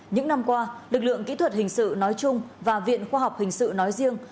những năm qua lực lượng kỹ thuật hình sự nói chung và viện khoa học hình sự nói riêng